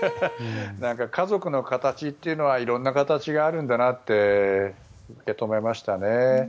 家族の形っていうのはいろんな形があるんだなって受け止めましたね。